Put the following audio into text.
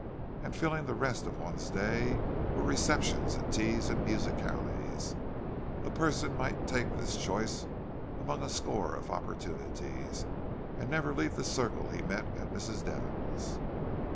And filling the rest of one's day were receptions and teas and musicales—a person might take his choice among a score of opportunities, and never leave the circle he met at Mrs. Devon's.